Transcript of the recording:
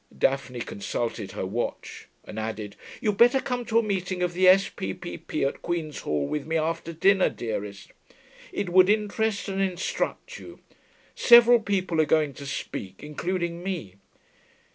Daphne consulted her watch, and added, 'You'd better come to a meeting of the S.P.P.P. at Queen's Hall with me after dinner, dearest. It would interest and instruct you. Several people are going to speak, including me.'